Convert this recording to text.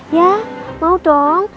ya mau dong